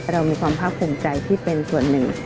เรามีความภาคภูมิใจที่เป็นส่วนหนึ่ง